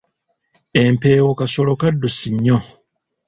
Empeewo kasolo kaddusi nnyo.